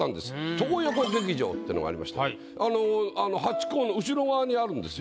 東横劇場ってのがありましてねあのハチ公の後ろ側にあるんですよ。